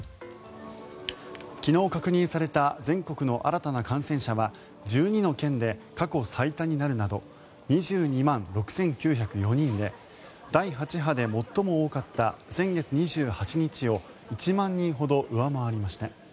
昨日確認された全国の新たな感染者は１２の県で過去最多になるなど２２万６９０４人で第８波で最も多かった先月２８日を１万人ほど上回りました。